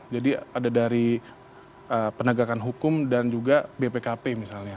jadi ada dari penegakan hukum dan juga bpkp misalnya